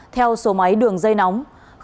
theo số máy đường dây nóng